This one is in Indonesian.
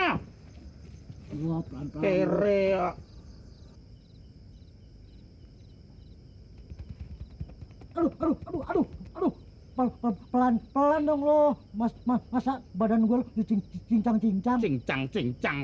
aduh aduh aduh aduh pelan pelan dong loh mas masa badan gue cincang cincang cincang cincang